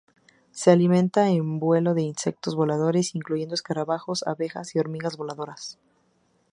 Se alimenta en vuelo de insectos voladores, incluyendo escarabajos, abejas, y hormigas voladoras.